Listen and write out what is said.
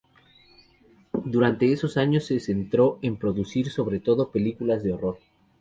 Durante esos años se centró en producir sobre todo películas de horror.